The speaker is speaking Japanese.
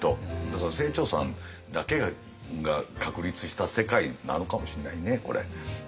だから清張さんだけが確立した世界なのかもしんないねこれ。